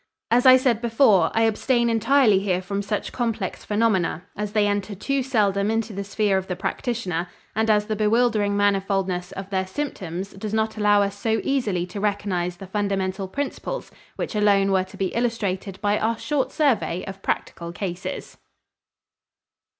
As I said before, I abstain entirely here from such complex phenomena, as they enter too seldom into the sphere of the practitioner and as the bewildering manifoldness of their symptoms does not allow us so easily to recognize the fundamental principles which alone were to be illustrated by our short survey of practical cases.